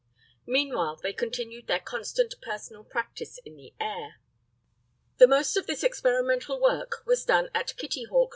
Meanwhile they continued their constant personal practice in the air. The most of this experimental work was done at Kitty Hawk, N.